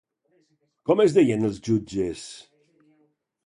Com es deien els jutges?